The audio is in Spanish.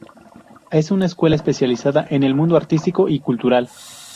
Es una escuela especializada en el mundo artístico y cultural.